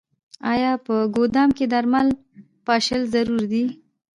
آیا په ګدام کې درمل پاشل ضروري دي؟